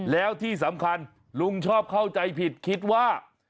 แล้วที่สำคัญลุงชอบเข้าใจผิดคิดว่า